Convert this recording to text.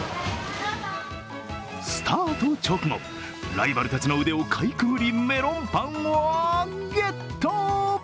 スタート直後、ライバルたちの腕をかいくぐり、メロンパンをゲット！